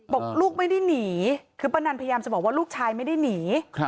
บอกลูกไม่ได้หนีคือป้านันพยายามจะบอกว่าลูกชายไม่ได้หนี